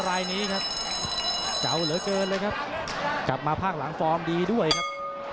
รายนี้ครับเก่าเหลือเกินเลยครับกลับมาภาคหลังฟอร์มดีด้วยครับ